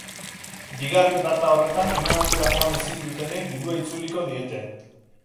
Bigarren data horretan emanaldira joan ezin dutenei dirua itzuliko diete.